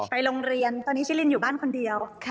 ไปโรงเรียนตอนนี้ชิลินอยู่บ้านคนเดียว